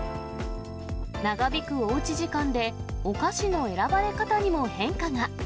長引くおうち時間で、お菓子の選ばれ方にも変化が。